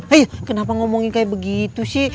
ayo kenapa ngomongin kayak begitu sih